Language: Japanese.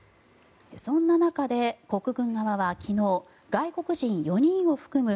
そんな中で国軍側は昨日外国人４人を含む